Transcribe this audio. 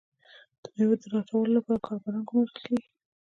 د میوو د راټولولو لپاره کارګران ګمارل کیږي.